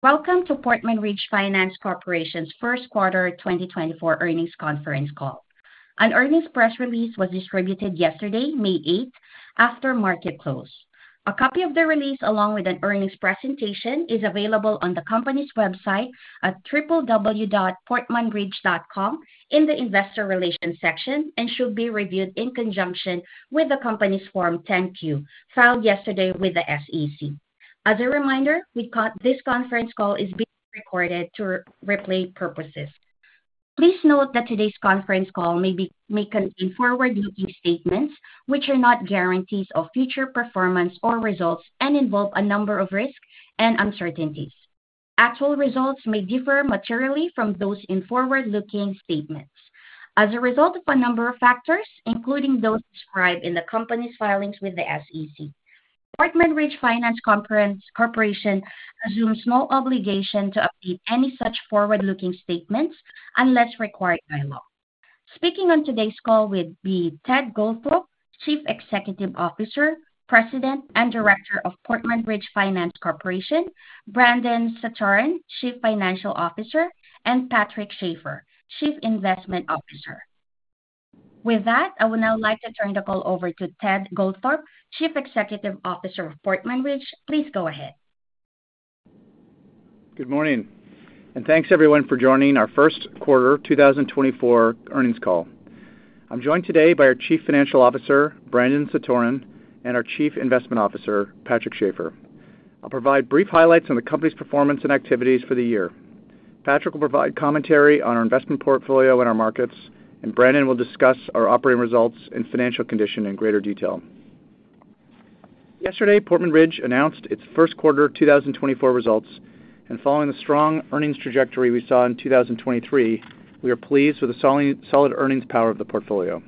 Welcome to Portman Ridge Finance Corporation's first quarter 2024 earnings conference call. An earnings press release was distributed yesterday, May 8, after market close. A copy of the release, along with an earnings presentation, is available on the company's website at www.portmanridge.com in the Investor Relations section and should be reviewed in conjunction with the company's Form 10-Q filed yesterday with the SEC. As a reminder, this conference call is being recorded for replay purposes. Please note that today's conference call may contain forward-looking statements which are not guarantees of future performance or results and involve a number of risks and uncertainties. Actual results may differ materially from those in forward-looking statements as a result of a number of factors, including those described in the company's filings with the SEC. Portman Ridge Finance Corporation assumes no obligation to update any such forward-looking statements unless required by law. Speaking on today's call will be Ted Goldthorpe, Chief Executive Officer, President, and Director of Portman Ridge Finance Corporation; Brandon Satoren, Chief Financial Officer; and Patrick Schafer, Chief Investment Officer. With that, I would now like to turn the call over to Ted Goldthorpe, Chief Executive Officer of Portman Ridge. Please go ahead. Good morning, and thanks everyone for joining our first quarter 2024 earnings call. I'm joined today by our Chief Financial Officer, Brandon Satoren, and our Chief Investment Officer, Patrick Schafer. I'll provide brief highlights on the company's performance and activities for the year. Patrick will provide commentary on our investment portfolio and our markets, and Brandon will discuss our operating results and financial condition in greater detail. Yesterday, Portman Ridge announced its first quarter 2024 results, and following the strong earnings trajectory we saw in 2023, we are pleased with the solid earnings power of the portfolio.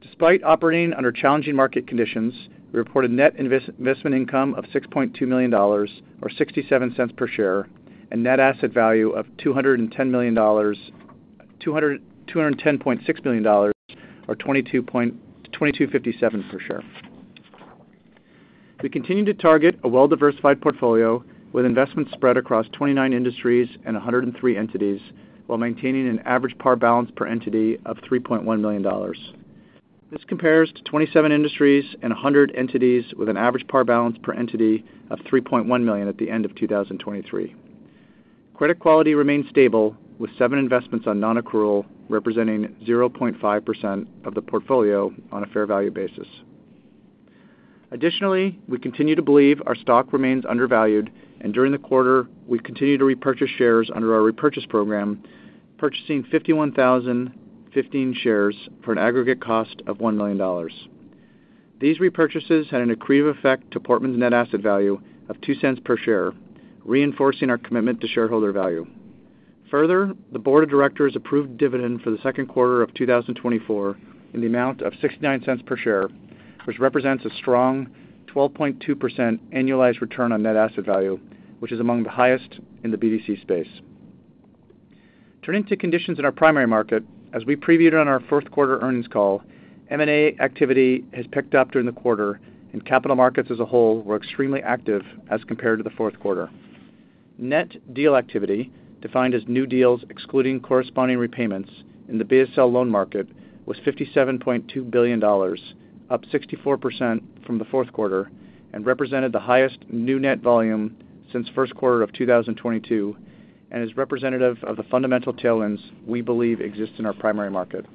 Despite operating under challenging market conditions, we reported net investment income of $6.2 million or $0.67 per share and net asset value of $210.6 million or $22.57 per share. We continue to target a well-diversified portfolio with investment spread across 29 industries and 103 entities while maintaining an average par balance per entity of $3.1 million. This compares to 27 industries and 100 entities with an average par balance per entity of $3.1 million at the end of 2023. Credit quality remains stable with seven investments on non-accrual, representing 0.5% of the portfolio on a fair value basis. Additionally, we continue to believe our stock remains undervalued, and during the quarter, we continue to repurchase shares under our repurchase program, purchasing 51,015 shares for an aggregate cost of $1 million. These repurchases had an accretive effect to Portman's net asset value of $0.02 per share, reinforcing our commitment to shareholder value. Further, the Board of Directors approved dividend for the second quarter of 2024 in the amount of $0.69 per share, which represents a strong 12.2% annualized return on net asset value, which is among the highest in the BDC space. Turning to conditions in our primary market, as we previewed on our fourth quarter earnings call, M&A activity has picked up during the quarter, and capital markets as a whole were extremely active as compared to the fourth quarter. Net deal activity, defined as new deals excluding corresponding repayments in the BSL loan market, was $57.2 billion, up 64% from the fourth quarter, and represented the highest new net volume since first quarter of 2022 and is representative of the fundamental tailwinds we believe exist in our primary market.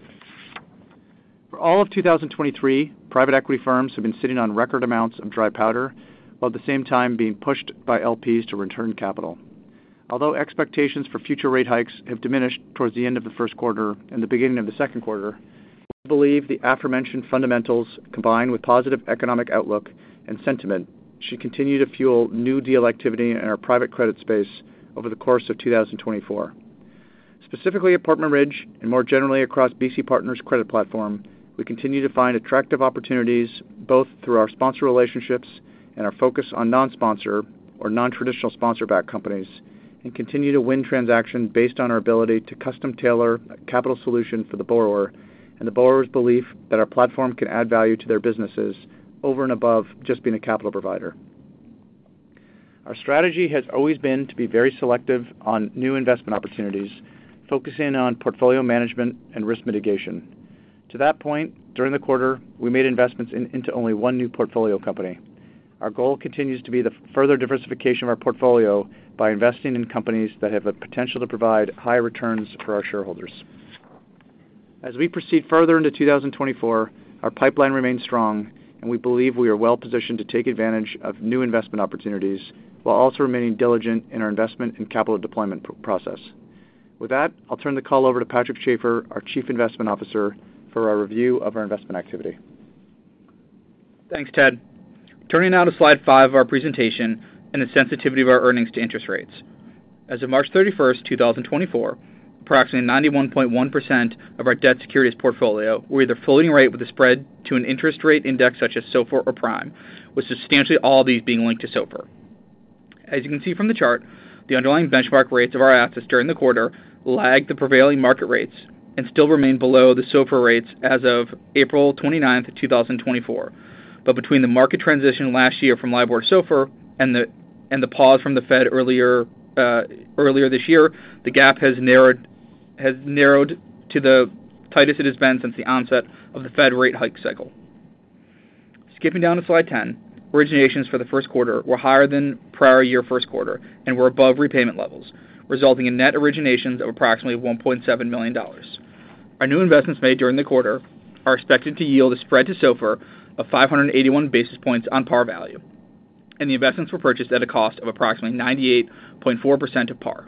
For all of 2023, private equity firms have been sitting on record amounts of dry powder while at the same time being pushed by LPs to return capital. Although expectations for future rate hikes have diminished towards the end of the first quarter and the beginning of the second quarter, we believe the aforementioned fundamentals, combined with positive economic outlook and sentiment, should continue to fuel new deal activity in our private credit space over the course of 2024. Specifically at Portman Ridge and more generally across BC Partners Credit Platform, we continue to find attractive opportunities both through our sponsor relationships and our focus on non-sponsor or non-traditional sponsor-backed companies, and continue to win transactions based on our ability to custom tailor a capital solution for the borrower and the borrower's belief that our platform can add value to their businesses over and above just being a capital provider. Our strategy has always been to be very selective on new investment opportunities, focusing on portfolio management and risk mitigation. To that point, during the quarter, we made investments into only one new portfolio company. Our goal continues to be the further diversification of our portfolio by investing in companies that have the potential to provide high returns for our shareholders. As we proceed further into 2024, our pipeline remains strong, and we believe we are well-positioned to take advantage of new investment opportunities while also remaining diligent in our investment and capital deployment process. With that, I'll turn the call over to Patrick Schafer, our Chief Investment Officer, for our review of our investment activity. Thanks, Ted. Turning now to slide 5 of our presentation and the sensitivity of our earnings to interest rates. As of March 31, 2024, approximately 91.1% of our debt securities portfolio were either floating rate with a spread to an interest rate index such as SOFR or Prime, with substantially all these being linked to SOFR. As you can see from the chart, the underlying benchmark rates of our assets during the quarter lagged the prevailing market rates and still remain below the SOFR rates as of April 29, 2024. Between the market transition last year from LIBOR to SOFR and the pause from the Fed earlier this year, the gap has narrowed to the tightest it has been since the onset of the Fed rate hike cycle. Skipping down to slide 10, originations for the first quarter were higher than prior year first quarter and were above repayment levels, resulting in net originations of approximately $1.7 million. Our new investments made during the quarter are expected to yield a spread to SOFR of 581 basis points on par value, and the investments were purchased at a cost of approximately 98.4% of par.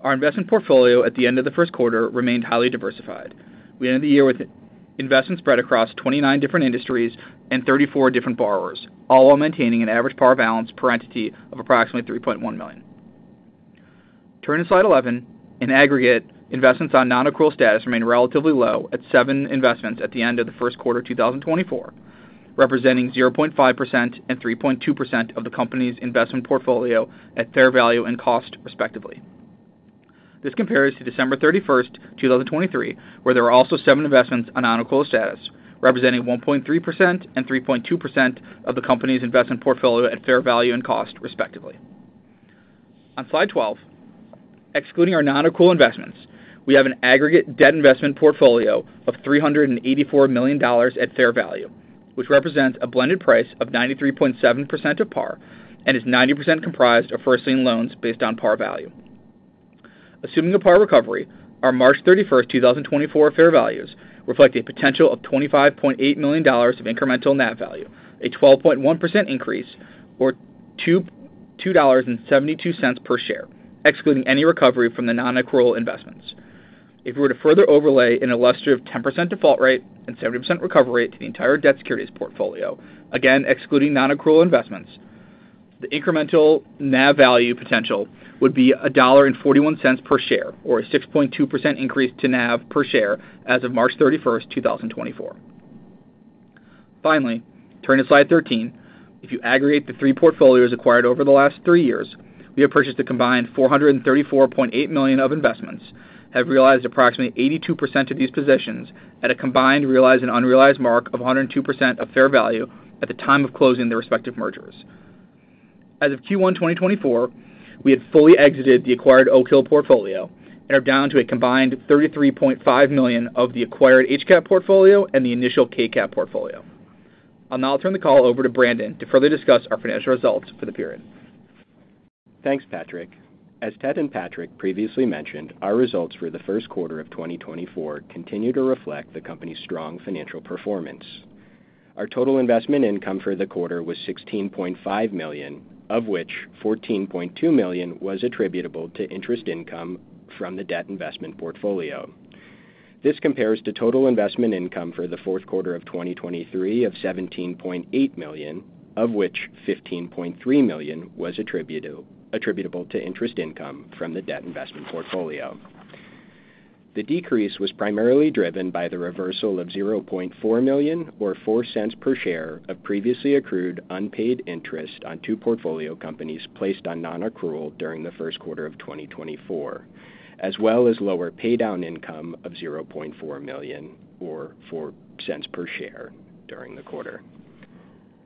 Our investment portfolio at the end of the first quarter remained highly diversified. We ended the year with investments spread across 29 different industries and 34 different borrowers, all while maintaining an average par balance per entity of approximately $3.1 million. Turning to slide 11, in aggregate, investments on non-accrual status remain relatively low at seven investments at the end of the first quarter 2024, representing 0.5% and 3.2% of the company's investment portfolio at fair value and cost, respectively. This compares to December 31, 2023, where there are also seven investments on non-accrual status, representing 1.3% and 3.2% of the company's investment portfolio at fair value and cost, respectively. On slide 12, excluding our non-accrual investments, we have an aggregate debt investment portfolio of $384 million at fair value, which represents a blended price of 93.7% of par and is 90% comprised of first-lien loans based on par value. Assuming a par recovery, our March 31, 2024 fair values reflect a potential of $25.8 million of incremental NAV value, a 12.1% increase or $2.72 per share, excluding any recovery from the non-accrual investments. If we were to further overlay an illustrative 10% default rate and 70% recovery rate to the entire debt securities portfolio, again excluding non-accrual investments, the incremental NAV value potential would be $1.41 per share or a 6.2% increase to NAV per share as of March 31, 2024. Finally, turning to slide 13, if you aggregate the three portfolios acquired over the last three years, we have purchased a combined $434.8 million of investments, have realized approximately 82% of these positions at a combined realized and unrealized mark of 102% of fair value at the time of closing the respective mergers. As of Q1 2024, we had fully exited the acquired Oak Hill portfolio and are down to a combined $33.5 million of the acquired HCAP portfolio and the initial KCAP portfolio. I'll now turn the call over to Brandon to further discuss our financial results for the period. Thanks, Patrick. As Ted and Patrick previously mentioned, our results for the first quarter of 2024 continue to reflect the company's strong financial performance. Our total investment income for the quarter was $16.5 million, of which $14.2 million was attributable to interest income from the debt investment portfolio. This compares to total investment income for the fourth quarter of 2023 of $17.8 million, of which $15.3 million was attributable to interest income from the debt investment portfolio. The decrease was primarily driven by the reversal of $0.4 million or $0.04 per share of previously accrued unpaid interest on two portfolio companies placed on non-accrual during the first quarter of 2024, as well as lower paydown income of $0.4 million or $0.04 per share during the quarter.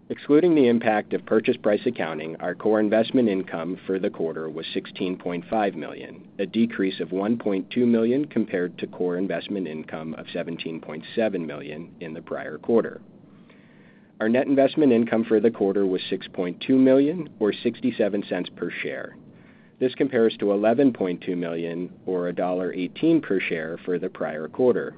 Excluding the impact of purchase price accounting, our core investment income for the quarter was $16.5 million, a decrease of $1.2 million compared to core investment income of $17.7 million in the prior quarter. Our net investment income for the quarter was $6.2 million or $0.67 per share. This compares to $11.2 million or $1.18 per share for the prior quarter.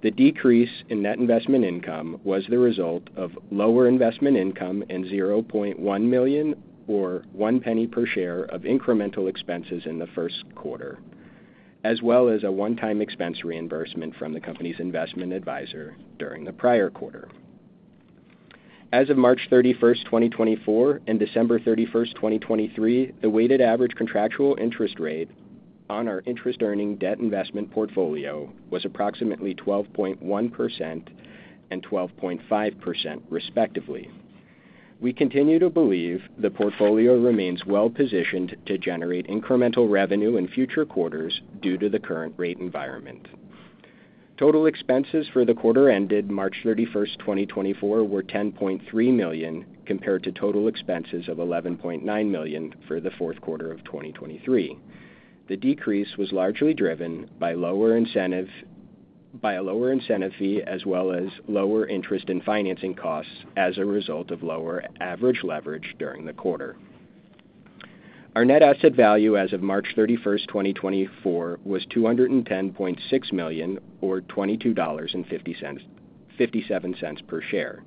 The decrease in net investment income was the result of lower investment income and $0.1 million or $0.01 per share of incremental expenses in the first quarter, as well as a one-time expense reimbursement from the company's investment advisor during the prior quarter. As of March 31, 2024, and December 31, 2023, the weighted average contractual interest rate on our interest-earning debt investment portfolio was approximately 12.1% and 12.5%, respectively. We continue to believe the portfolio remains well-positioned to generate incremental revenue in future quarters due to the current rate environment. Total expenses for the quarter ended March 31, 2024, were $10.3 million compared to total expenses of $11.9 million for the fourth quarter of 2023. The decrease was largely driven by a lower incentive fee as well as lower interest and financing costs as a result of lower average leverage during the quarter. Our net asset value as of March 31, 2024, was $210.6 million or $22.57 per share,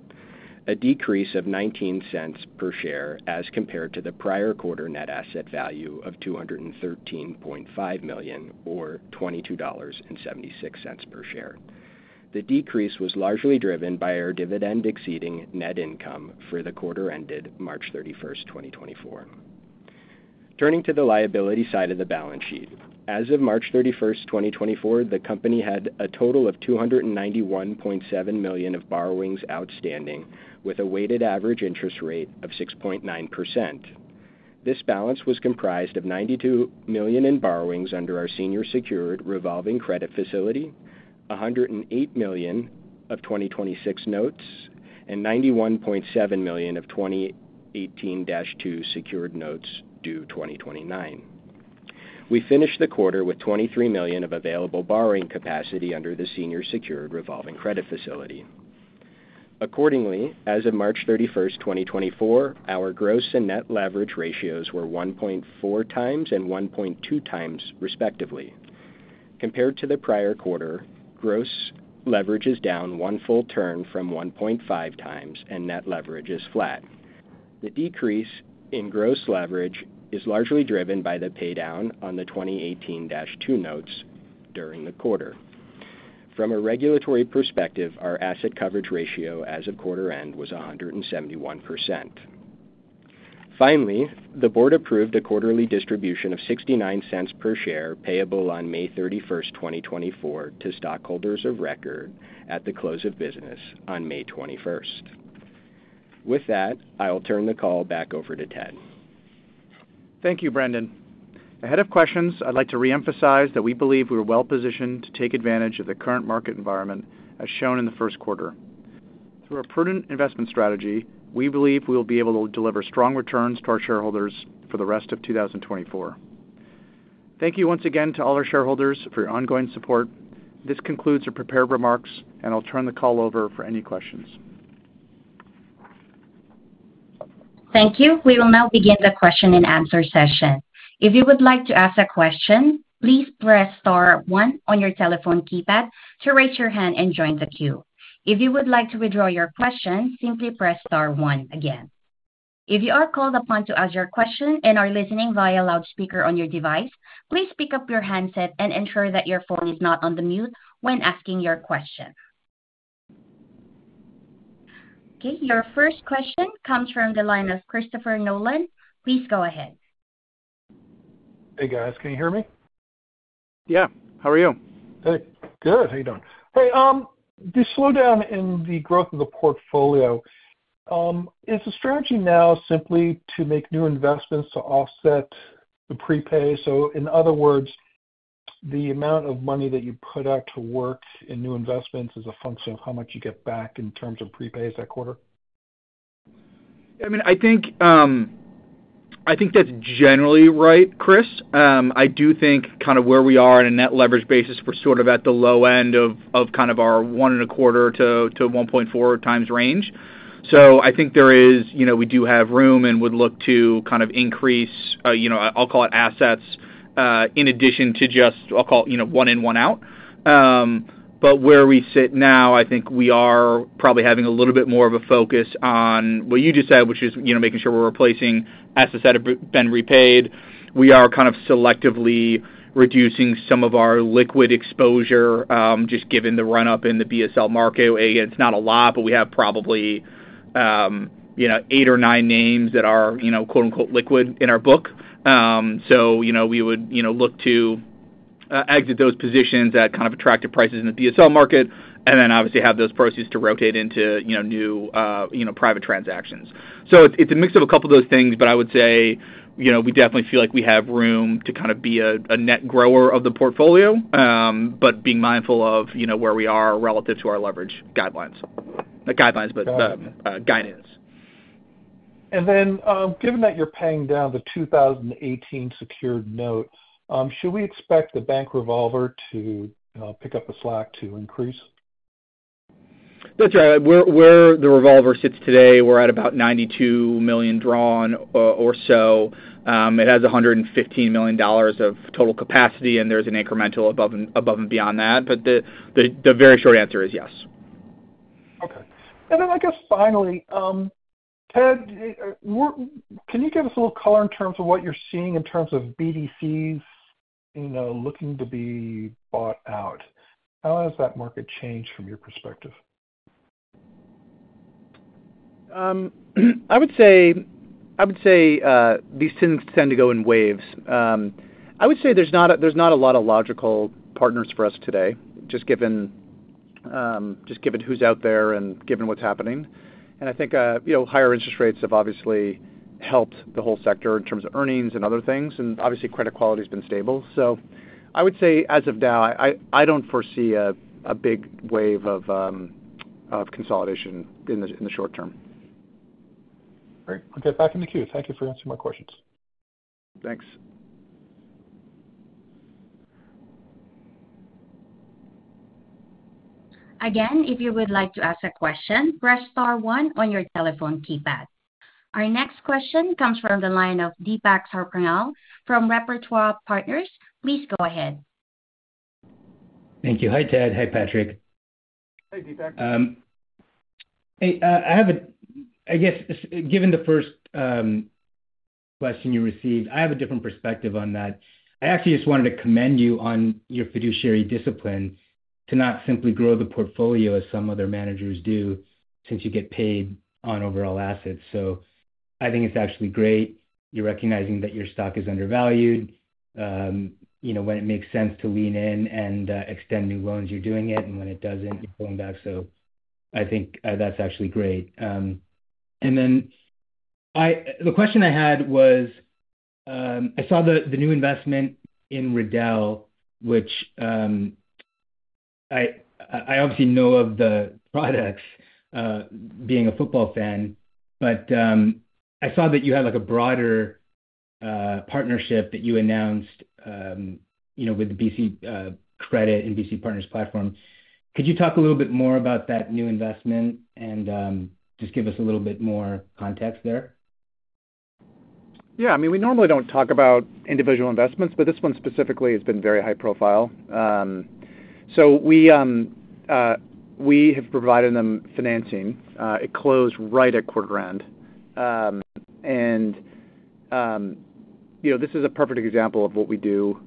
a decrease of $0.19 per share as compared to the prior quarter net asset value of $213.5 million or $22.76 per share. The decrease was largely driven by our dividend-exceeding net income for the quarter ended March 31, 2024. Turning to the liability side of the balance sheet, as of March 31, 2024, the company had a total of $291.7 million of borrowings outstanding with a weighted average interest rate of 6.9%. This balance was comprised of $92 million in borrowings under our senior secured revolving credit facility, $108 million of 2026 notes, and $91.7 million of 2018-2 secured notes due 2029. We finished the quarter with $23 million of available borrowing capacity under the senior secured revolving credit facility. Accordingly, as of March 31, 2024, our gross and net leverage ratios were 1.4x and 1.2x, respectively. Compared to the prior quarter, gross leverage is down one full turn from 1.5x, and net leverage is flat. The decrease in gross leverage is largely driven by the paydown on the 2018-2 notes during the quarter. From a regulatory perspective, our asset coverage ratio as of quarter end was 171%. Finally, the Board approved a quarterly distribution of $0.69 per share payable on May 31, 2024, to stockholders of record at the close of business on May 21st. With that, I will turn the call back over to Ted. Thank you, Brandon. Ahead of questions, I'd like to reemphasize that we believe we are well-positioned to take advantage of the current market environment as shown in the first quarter. Through our prudent investment strategy, we believe we will be able to deliver strong returns to our shareholders for the rest of 2024. Thank you once again to all our shareholders for your ongoing support. This concludes our prepared remarks, and I'll turn the call over for any questions. Thank you. We will now begin the question-and-answer session. If you would like to ask a question, please press star one on your telephone keypad to raise your hand and join the queue. If you would like to withdraw your question, simply press star one again. If you are called upon to ask your question and are listening via loudspeaker on your device, please pick up your handset and ensure that your phone is not on the mute when asking your question. Okay. Your first question comes from the line of Christopher Nolan. Please go ahead. Hey, guys. Can you hear me? Yeah. How are you? Hey. Good. How are you doing? Hey, the slowdown in the growth of the portfolio, is the strategy now simply to make new investments to offset the prepay? So, in other words, the amount of money that you put out to work in new investments is a function of how much you get back in terms of prepay that quarter? Yeah. I mean, I think that's generally right, Chris. I do think kind of where we are on a net leverage basis, we're sort of at the low end of kind of our 1.25x-1.4x range. So I think we do have room and would look to kind of increase I'll call it assets in addition to just I'll call it one in, one out. But where we sit now, I think we are probably having a little bit more of a focus on what you just said, which is making sure we're replacing assets that have been repaid. We are kind of selectively reducing some of our liquid exposure just given the run-up in the BSL market. Again, it's not a lot, but we have probably 8 or 9 names that are "liquid" in our book. So we would look to exit those positions at kind of attractive prices in the BSL market and then, obviously, have those proceeds to rotate into new private transactions. So it's a mix of a couple of those things, but I would say we definitely feel like we have room to kind of be a net grower of the portfolio, but being mindful of where we are relative to our leverage guidelines not guidelines, but guidance. Given that you're paying down the 2018 secured note, should we expect the bank revolver to pick up the slack to increase? That's right. Where the revolver sits today, we're at about $92 million drawn or so. It has $115 million of total capacity, and there's an incremental above and beyond that. But the very short answer is yes. Okay. I guess, finally, Ted, can you give us a little color in terms of what you're seeing in terms of BDCs looking to be bought out? How has that market changed from your perspective? I would say these things tend to go in waves. I would say there's not a lot of logical partners for us today, just given who's out there and given what's happening. And I think higher interest rates have, obviously, helped the whole sector in terms of earnings and other things, and, obviously, credit quality has been stable. So I would say, as of now, I don't foresee a big wave of consolidation in the short term. Great. I'll get back in the queue. Thank you for answering my questions. Thanks. Again, if you would like to ask a question, press star one on your telephone keypad. Our next question comes from the line of Deepak Sarpangal from Repertoire Partners. Please go ahead. Thank you. Hi, Ted. Hi, Patrick. Hey, Deepak. Hey, I guess, given the first question you received, I have a different perspective on that. I actually just wanted to commend you on your fiduciary discipline to not simply grow the portfolio as some other managers do since you get paid on overall assets. So I think it's actually great you're recognizing that your stock is undervalued, when it makes sense to lean in and extend new loans, you're doing it, and when it doesn't, you're pulling back. So I think that's actually great. And then the question I had was, I saw the new investment in Riddell, which I obviously know of the products being a football fan, but I saw that you had a broader partnership that you announced with BC Credit and BC Partners Platform. Could you talk a little bit more about that new investment and just give us a little bit more context there? Yeah. I mean, we normally don't talk about individual investments, but this one specifically has been very high-profile. We have provided them financing. It closed right at quarter end. This is a perfect example of what we do,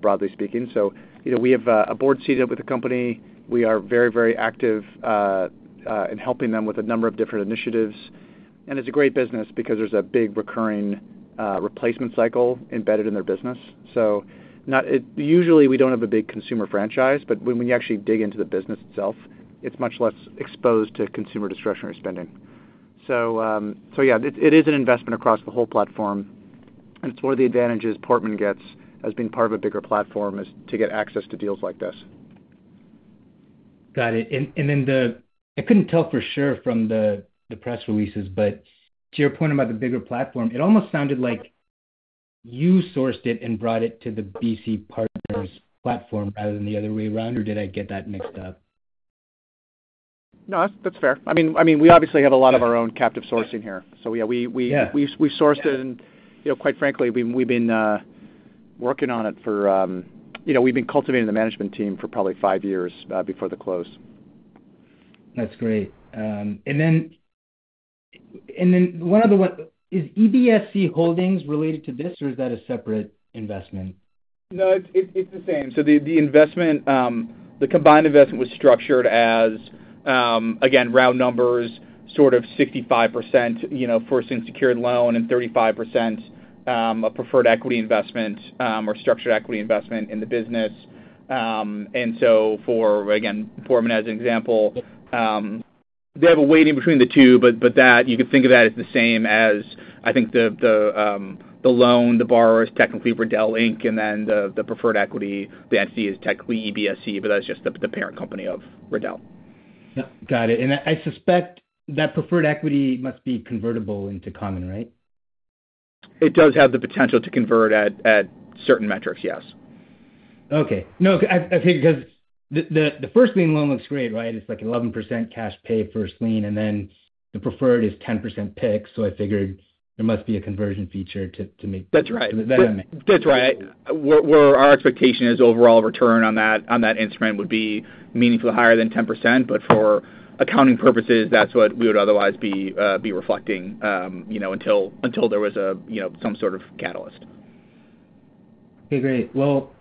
broadly speaking. We have a board seat with the company. We are very, very active in helping them with a number of different initiatives. It's a great business because there's a big recurring replacement cycle embedded in their business. Usually, we don't have a big consumer franchise, but when you actually dig into the business itself, it's much less exposed to consumer discretionary spending. Yeah, it is an investment across the whole platform, and it's one of the advantages Portman gets from being part of a bigger platform is to get access to deals like this. Got it. And then I couldn't tell for sure from the press releases, but to your point about the bigger platform, it almost sounded like you sourced it and brought it to the BC Partners Platform rather than the other way around, or did I get that mixed up? No, that's fair. I mean, we obviously have a lot of our own captive sourcing here. So yeah, we've sourced it, and quite frankly, we've been cultivating the management team for probably five years before the close. That's great. And then one other one, is EBSC Holdings related to this, or is that a separate investment? No, it's the same. So the combined investment was structured as, again, round numbers, sort of 65% first lien secured and 35% a preferred equity investment or structured equity investment in the business. And so for, again, Portman as an example, they have a weighting between the two, but you could think of that as the same as, I think, the loan, the borrower is technically Riddell, Inc., and then the preferred equity, the entity is technically EBSC, but that's just the parent company of Riddell. Yep. Got it. And I suspect that preferred equity must be convertible into common, right? It does have the potential to convert at certain metrics, yes. Okay. No, I figured because the first-lien loan looks great, right? It's like 11% cash pay first-lien, and then the preferred is 10% PIK, so I figured there must be a conversion feature to make that end match. That's right. That's right. Where our expectation is overall return on that instrument would be meaningfully higher than 10%, but for accounting purposes, that's what we would otherwise be reflecting until there was some sort of catalyst. Okay. Great. Well,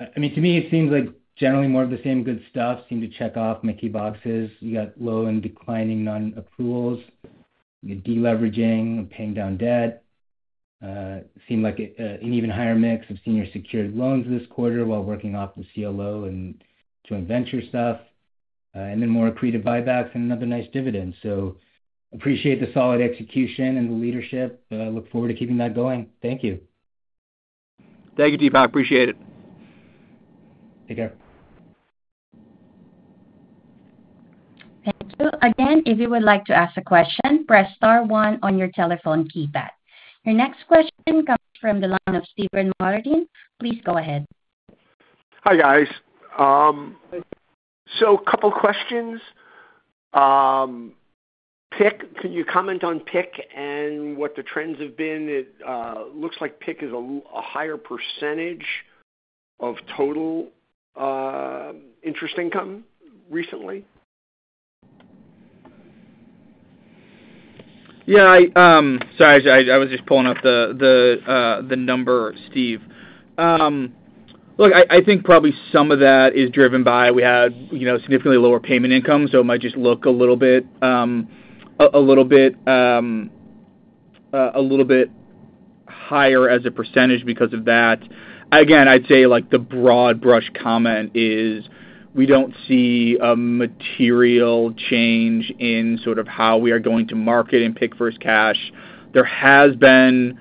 I mean, to me, it seems like generally more of the same good stuff seem to check off my key boxes. You got low and declining non-accruals, deleveraging, paying down debt, seem like an even higher mix of senior secured loans this quarter while working off the CLO and joint venture stuff, and then more accretive buybacks and another nice dividend. So appreciate the solid execution and the leadership. Look forward to keeping that going. Thank you. Thank you, Deepak. Appreciate it. Take care. Thank you. Again, if you would like to ask a question, press star one on your telephone keypad. Your next question comes from the line of Steven Martin. Please go ahead. Hi, guys. A couple of questions. Can you comment on PIK and what the trends have been? It looks like PIK is a higher percentage of total interest income recently. Yeah. Sorry. I was just pulling up the number, Steve. Look, I think probably some of that is driven by we had significantly lower payment income, so it might just look a little bit higher as a percentage because of that. Again, I'd say the broad brush comment is we don't see a material change in sort of how we are going to market and pick first cash. There have been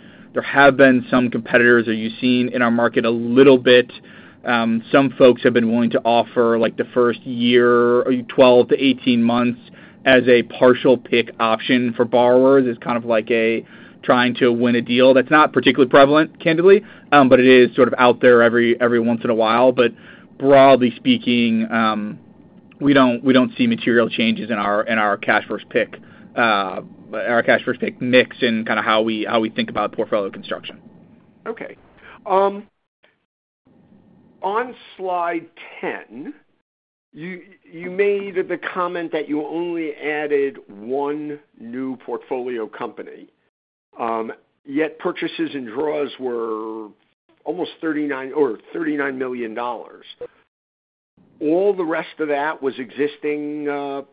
some competitors that you've seen in our market a little bit. Some folks have been willing to offer the first 12-18 months as a partial PIK option for borrowers as kind of like trying to win a deal. That's not particularly prevalent, candidly, but it is sort of out there every once in a while. Broadly speaking, we don't see material changes in our cash first PIK mix and kind of how we think about portfolio construction. Okay. On slide 10, you made the comment that you only added one new portfolio company, yet purchases and draws were almost $39 million. All the rest of that was existing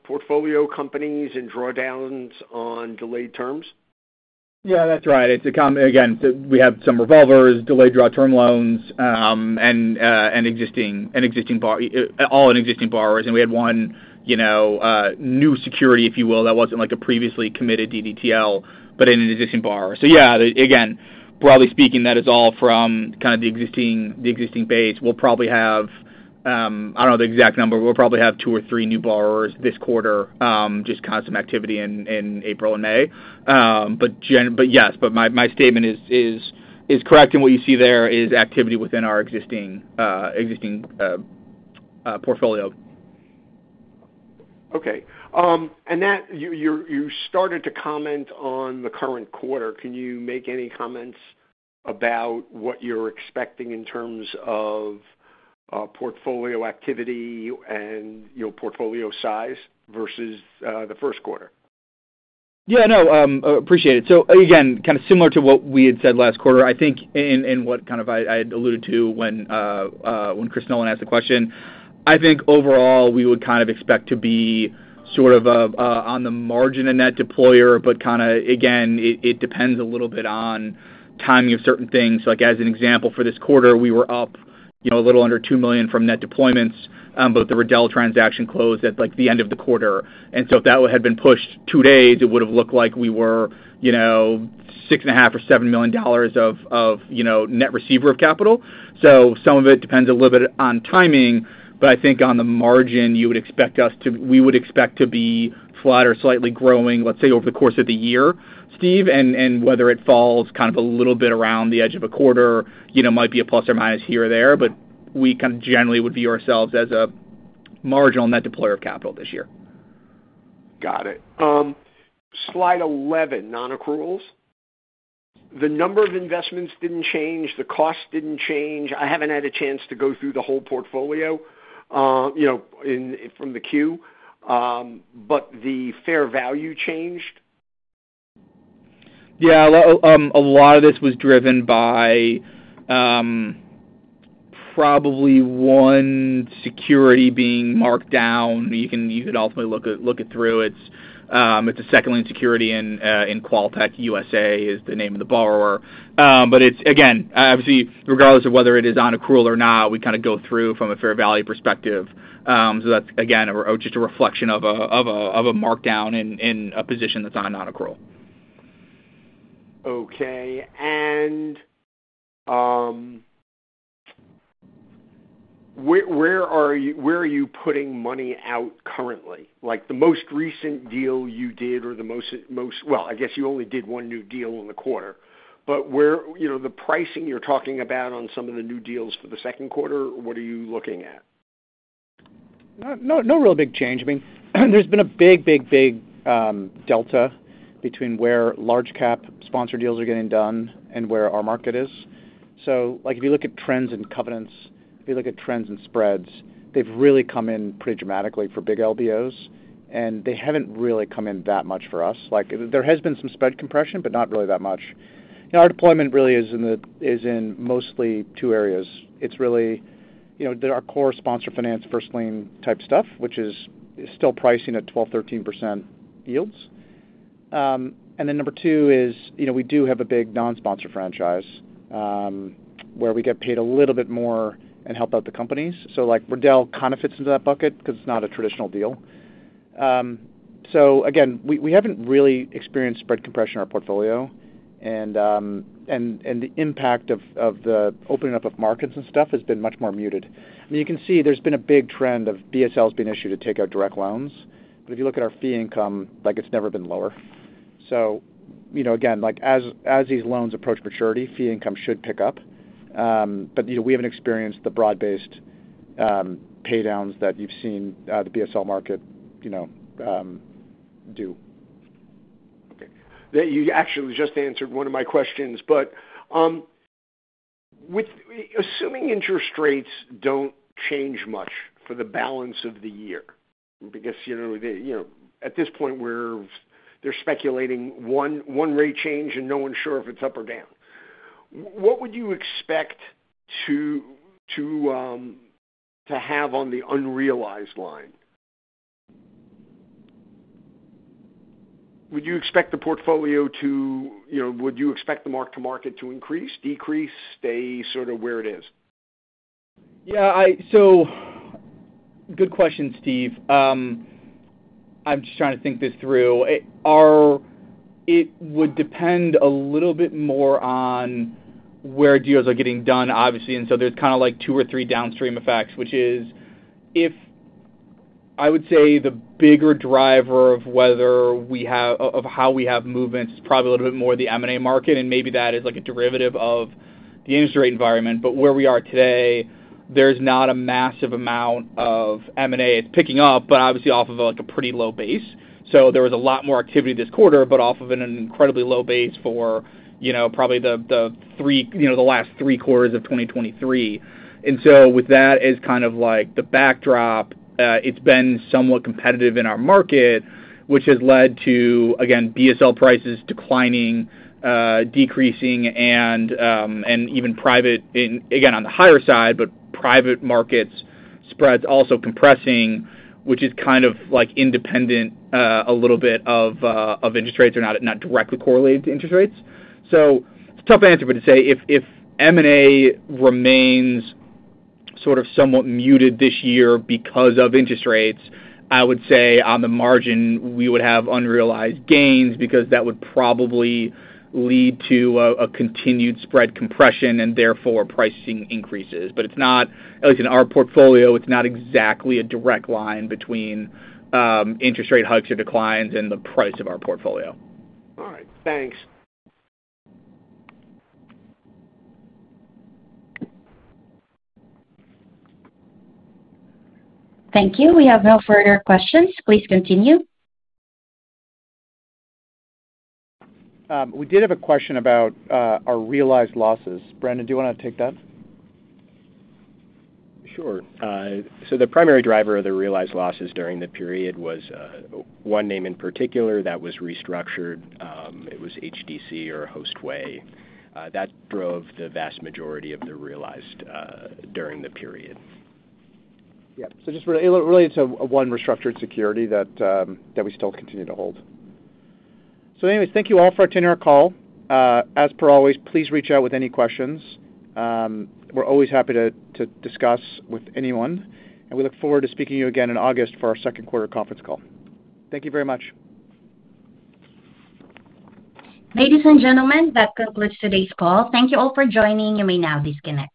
portfolio companies and drawdowns on delayed draw terms? Yeah, that's right. Again, we have some revolvers, delayed draw term loans, and all in existing borrowers. And we had one new security, if you will, that wasn't a previously committed DDTL but in an existing borrower. So yeah, again, broadly speaking, that is all from kind of the existing base. We'll probably have I don't know the exact number, but we'll probably have two or three new borrowers this quarter, just kind of some activity in April and May. But yes, but my statement is correct, and what you see there is activity within our existing portfolio. Okay. You started to comment on the current quarter. Can you make any comments about what you're expecting in terms of portfolio activity and portfolio size versus the first quarter? Yeah. No, appreciate it. So again, kind of similar to what we had said last quarter, I think in what kind of I had alluded to when Chris Nolan asked the question, I think overall, we would kind of expect to be sort of on the margin of net deployer, but kind of, again, it depends a little bit on timing of certain things. So as an example, for this quarter, we were up a little under $2 million from net deployments, but the Riddell transaction closed at the end of the quarter. And so if that had been pushed 2 days, it would have looked like we were $6.5 million or $7 million of net receiver of capital. So some of it depends a little bit on timing, but I think on the margin, you would expect, we would expect to be flat or slightly growing, let's say, over the course of the year, Steve, and whether it falls kind of a little bit around the edge of a quarter might be a plus or minus here or there, but we kind of generally would view ourselves as a marginal net deployer of capital this year. Got it. Slide 11, non-accruals. The number of investments didn't change. The cost didn't change. I haven't had a chance to go through the whole portfolio from the queue, but the fair value changed? Yeah. A lot of this was driven by probably one security being marked down. You could ultimately look it through. It's a second-lien security in QualTek USA is the name of the borrower. But again, obviously, regardless of whether it is on accrual or not, we kind of go through from a fair value perspective. So that's, again, just a reflection of a markdown in a position that's on non-accrual. Okay. And where are you putting money out currently? The most recent deal you did or the most well, I guess you only did one new deal in the quarter, but the pricing you're talking about on some of the new deals for the second quarter, what are you looking at? No real big change. I mean, there's been a big, big, big delta between where large-cap sponsor deals are getting done and where our market is. So if you look at trends in covenants, if you look at trends in spreads, they've really come in pretty dramatically for big LBOs, and they haven't really come in that much for us. There has been some spread compression, but not really that much. Our deployment really is in mostly two areas. It's really our core sponsor finance first-lien type stuff, which is still pricing at 12%-13% yields. And then number two is we do have a big non-sponsor franchise where we get paid a little bit more and help out the companies. So Riddell kind of fits into that bucket because it's not a traditional deal. So again, we haven't really experienced spread compression in our portfolio, and the impact of the opening up of markets and stuff has been much more muted. I mean, you can see there's been a big trend of BSLs being issued to take out direct loans, but if you look at our fee income, it's never been lower. So again, as these loans approach maturity, fee income should pick up, but we haven't experienced the broad-based paydowns that you've seen the BSL market do. Okay. You actually just answered one of my questions, but assuming interest rates don't change much for the balance of the year because at this point, they're speculating 1 rate change and no one's sure if it's up or down, what would you expect to have on the unrealized line? Would you expect the mark-to-market to increase, decrease, stay sort of where it is? Yeah. So good question, Steve. I'm just trying to think this through. It would depend a little bit more on where deals are getting done, obviously, and so there's kind of like two or three downstream effects, which is I would say the bigger driver of how we have movements is probably a little bit more the M&A market, and maybe that is a derivative of the interest rate environment. But where we are today, there's not a massive amount of M&A. It's picking up, but obviously off of a pretty low base. So there was a lot more activity this quarter, but off of an incredibly low base for probably the last three quarters of 2023. And so with that as kind of the backdrop, it's been somewhat competitive in our market, which has led to, again, BSL prices declining, decreasing, and even private again, on the higher side, but private markets spreads also compressing, which is kind of independent a little bit of interest rates or not directly correlated to interest rates. So it's a tough answer, but to say if M&A remains sort of somewhat muted this year because of interest rates, I would say on the margin, we would have unrealized gains because that would probably lead to a continued spread compression and therefore pricing increases. But at least in our portfolio, it's not exactly a direct line between interest rate hikes or declines and the price of our portfolio. All right. Thanks. Thank you. We have no further questions. Please continue. We did have a question about our realized losses. Brandon, do you want to take that? Sure. So the primary driver of the realized losses during the period was one name in particular that was restructured. It was HDC or Hostway. That drove the vast majority of the realized during the period. Yep. So just related to one restructured security that we still continue to hold. So anyways, thank you all for attending our call. As per always, please reach out with any questions. We're always happy to discuss with anyone, and we look forward to speaking to you again in August for our second quarter conference call. Thank you very much. Ladies and gentlemen, that concludes today's call. Thank you all for joining. You may now disconnect.